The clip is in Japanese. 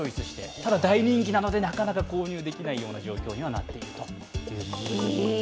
ただ大人気なので、なかなか購入できない状況になってるそうです。